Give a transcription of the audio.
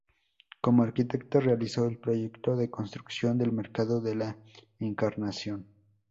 Como arquitecto, realizó el proyecto de construcción del mercado de la Encarnación.